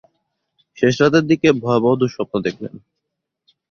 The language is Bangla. শেষরাতের দিকে ভয়াবহ দুঃস্বপ্ন দেখলেন।